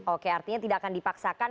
oke artinya tidak akan dipaksakan